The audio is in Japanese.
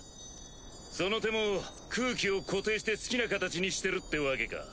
その手も空気を固定して好きな形にしてるってわけか。